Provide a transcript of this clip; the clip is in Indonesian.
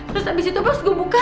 terus abis itu bos gue buka